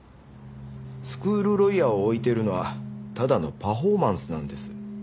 スクールロイヤーを置いているのはただのパフォーマンスなんです。